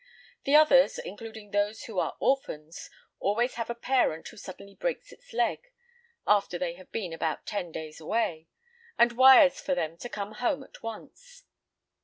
The others, including those who are orphans, always have a parent who suddenly breaks its leg—after they have been about ten days away—and wires for them to come home at once.